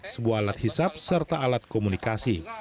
sebuah alat hisap serta alat komunikasi